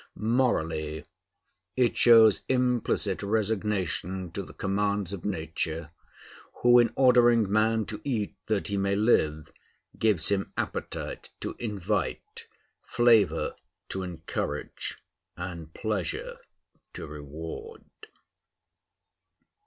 Morally, it shows implicit resignation to the commands of Nature, who, in ordering man to eat that he may live, gives him appetite to invite, flavor to encourage, and pleasure to reward.